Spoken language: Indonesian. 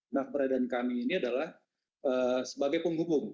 nah keberadaan kami ini adalah sebagai penghubung